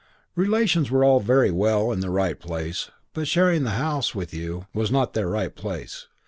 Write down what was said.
Relations were all very well in their right place but sharing the house with you was not their right place.